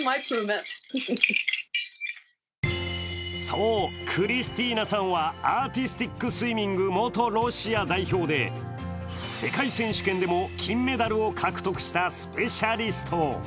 そう、クリスティーナさんはアーティスティックスイミング元ロシア代表で世界選手権でも金メダルを獲得したスペシャリスト。